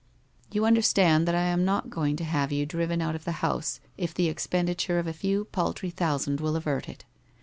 ' You understand that I am not going to have you driven out of the house if the expenditure of a few paltry thousands will avert it.'